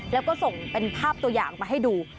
แล้วก็ส่งเป็นภาพตัวอย่างมาให้ดู